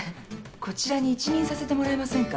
こちらに一任させてもらえませんか？